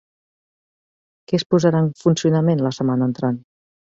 Què es posarà en funcionament la setmana entrant?